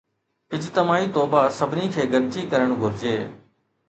اجتماعي توبه سڀني کي گڏجي ڪرڻ گهرجي